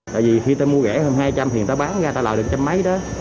tại vì khi ta mua rẻ hơn hai trăm linh thì người ta bán ra ta làm được trăm mấy đó